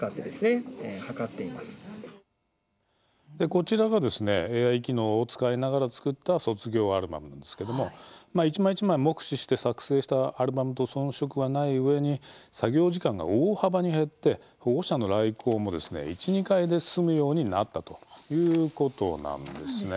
こちらが、ＡＩ機能を使いながら作った卒業アルバムですけれども一枚一枚、目視して作成したアルバムと遜色はないうえに作業時間が大幅に減って保護者の来校も１、２回で済むようになったということなんですね。